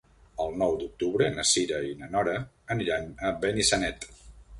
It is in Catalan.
El nou d'octubre na Cira i na Nora aniran a Benissanet.